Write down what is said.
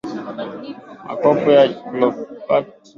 Makopo ya Cleopatra na Antony ya Fishy